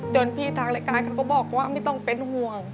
พี่ทางรายการเขาก็บอกว่าไม่ต้องเป็นห่วง